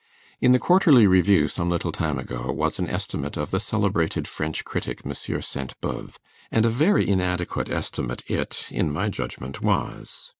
In the Quarterly Review, some little time ago, was an estimate of the celebrated French critic, M. Sainte Beuve; and a very inadequate estimate it in my judgment was.